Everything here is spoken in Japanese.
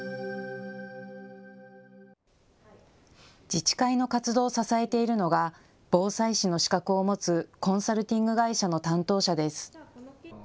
自治会の活動を支えているのが防災士の資格を持つコンサルティング会社の担当者です。